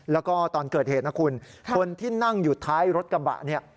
แล้วก็ตอนเกิดเหตุนะคุณคนที่นั่งอยู่ท้ายรถกระบะเนี่ย